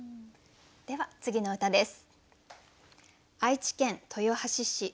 では次の歌です。